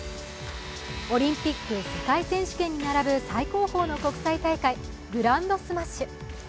オリンピック、世界選手権に並ぶ最高峰の国際大会、グランドスマッシュ。